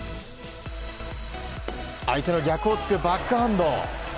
相手の逆を突くバックハンド。